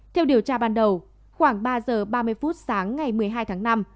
theo điều tra ban đầu khoảng ba giờ ba mươi phút sáng ngày một mươi hai tháng năm